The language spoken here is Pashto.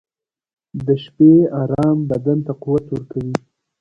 • د شپې ارام بدن ته قوت ورکوي.